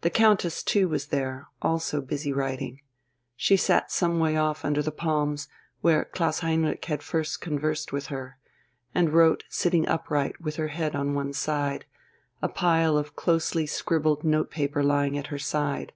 The Countess too was there, also busy writing. She sat some way off under the palms, where Klaus Heinrich had first conversed with her, and wrote sitting upright with her head on one side, a pile of closely scribbled note paper lying at her side.